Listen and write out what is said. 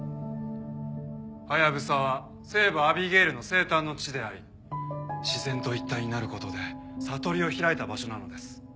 ハヤブサは聖母アビゲイルの生誕の地であり自然と一体になる事で悟りを開いた場所なのです。